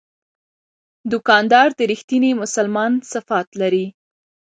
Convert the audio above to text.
دوکاندار د رښتیني مسلمان صفات لري.